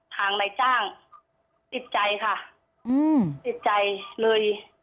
ทางนายจ้างติดใจค่ะติดใจเลย